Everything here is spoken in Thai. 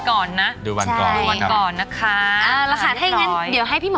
ก่อนนะดูวันก่อนนะครับอ่าราคาถ้าอย่างกันเดี๋ยวให้พี่หมอ